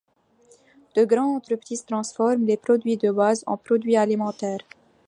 De grandes entreprises transforment les produits de base en produits alimentaires.